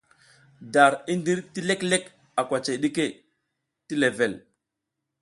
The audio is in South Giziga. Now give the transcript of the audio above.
Dar i ndir ti leklek a kwacay ɗike ti level.